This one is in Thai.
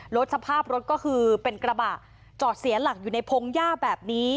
สภาพรถก็คือเป็นกระบะจอดเสียหลักอยู่ในพงหญ้าแบบนี้